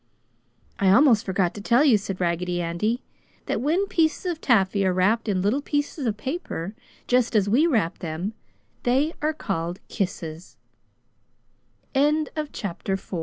"I almost forgot to tell you," said Raggedy Andy, "that when pieces of taffy are wrapped in little pieces of paper, just as we wrapped them, they are ca